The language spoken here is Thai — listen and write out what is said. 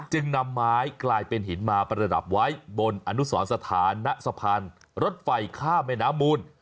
จึงนำไม้กลายเป็นหินมาประดับไว้บนอนุสรสถานะสะพานรถไฟข้ามแม่น้ำมูล